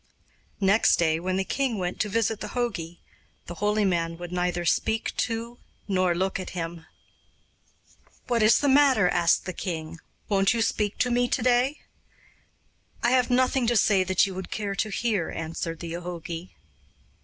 Next day, when the king went to visit the jogi, the holy man would neither speak to nor look at him. 'What is the matter?' asked the king. 'Won't you speak to me to day?' 'I have nothing to say that you would care to hear,' answered the jogi.